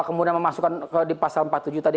kemudian memasukkan di pasal empat puluh tujuh tadi